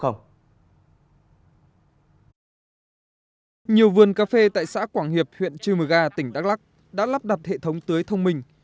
nhiều vườn cà phê tại xã quảng hiệp huyện trư mờ ga tỉnh đắk lắc đã lắp đặt hệ thống tưới thông minh